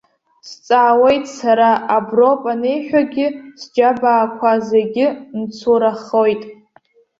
Сҵаауеит сара, аброуп аниҳәагьы, сџьабаақәа зегьы мцурахоит.